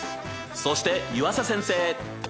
そして湯浅先生！